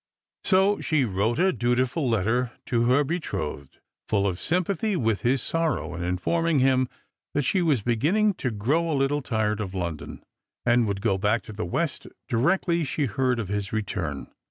So she wrote a dutiful letter to her betrothed, full of sympathy with his sorrow, and informing him that she was beginning to grow a little tired of London, and would go back to the West directly she heard of his return.